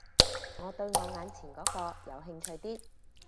我對我眼前嗰個有興趣啲